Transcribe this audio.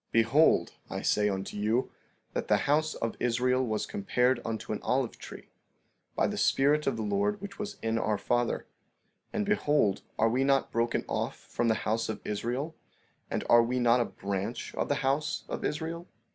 15:12 Behold, I say unto you, that the house of Israel was compared unto an olive tree, by the Spirit of the Lord which was in our father; and behold are we not broken off from the house of Israel, and are we not a branch of the house of Israel?